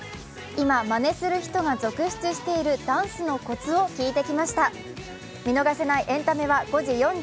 今、まねする人が続出しているダンスのコツを聞いてきました。